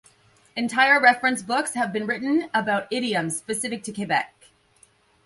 Entire reference books have been written about idioms specific to Quebec.